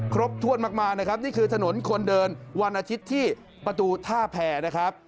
ครบถ้วนมากนะครับนี่คือถนนคนเดินวันอาทิตย์ที่ประตูท่าแผ่นะครับ